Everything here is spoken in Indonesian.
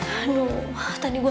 aduh tadi gue